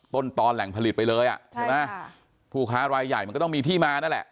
ตอนแหล่งผลิตไปเลยอ่ะใช่ไหมผู้ค้ารายใหญ่มันก็ต้องมีที่มานั่นแหละ